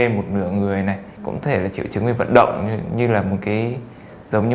một nửa người này cũng có thể là triệu chứng về vận động như là một cái giống như